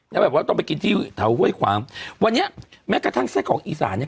แล้วแบบว่าต้องไปกินที่แถวห้วยขวางวันนี้แม้กระทั่งไส้ของอีสานเนี้ย